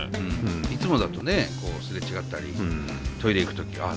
いつもだとね擦れ違ったりトイレ行く時あ